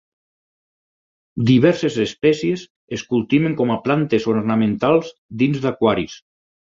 Diverses espècies es cultiven com a plantes ornamentals dins d'aquaris.